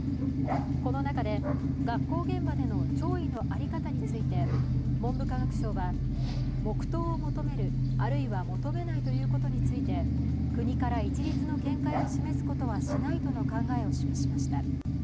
この中で、学校現場での弔意の在り方について文部科学省は黙とうを求める、あるいは求めないということについて国から一律の見解を示すことはしないとの考えを示しました。